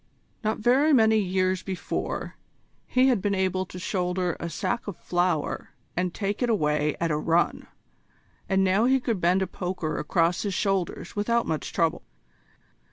Not very many years before, he had been able to shoulder a sack of flour and take it away at a run, and now he could bend a poker across his shoulders without much trouble.